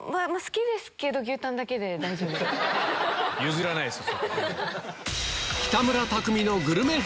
譲らないです。